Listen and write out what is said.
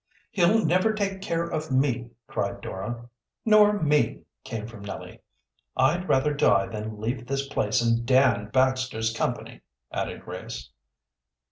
"He'll never take care of me!" cried Dora. "Nor me!" came from Nellie. "I'd rather die than leave this place in Dan Baxter's company," added Grace.